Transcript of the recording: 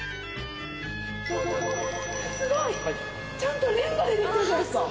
すごい！ちゃんとレンガでできてるじゃないですか。